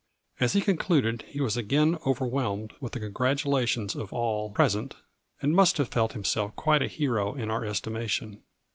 As he concluded he was again overwhelmed with the congratulations of all present, and must have felt himself quite a hero in our estimation.